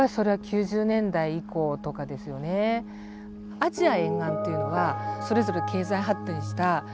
アジア沿岸っていうのはそれぞれ経済発展したエリアでもあるし